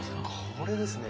これですね